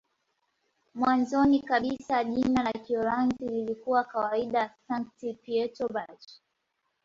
Mwanzoni kabisa jina la Kiholanzi lilikuwa kawaida "Sankt-Pieterburch".